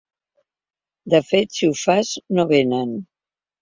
De fet, si ho fas, no vénen.